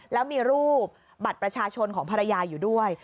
แล้วมีรูปบัตรประชาชนของภรรยาอยู่ด้วย